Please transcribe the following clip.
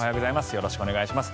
よろしくお願いします。